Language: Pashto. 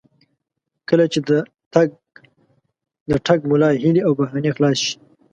کله چې د ټګ ملا هیلې او بهانې خلاصې شي.